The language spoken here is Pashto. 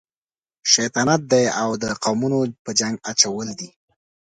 شیطانت دی او د قومونو جنګ اچول دي.